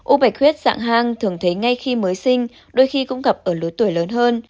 ô bạch huyết dạng hang thường thấy ngay khi mới sinh đôi khi cũng gặp ở lứa tuổi lớn hơn